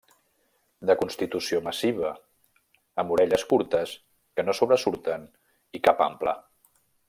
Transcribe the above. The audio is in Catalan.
De constitució massiva, amb orelles curtes, que no sobresurten i cap ample.